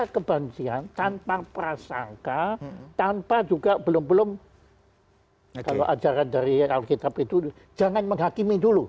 tanpa kebanjian tanpa prasangka tanpa juga belum belum kalau ajaran dari alkitab itu jangan menghakimi dulu